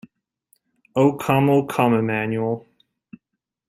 O come O come Emmanuel.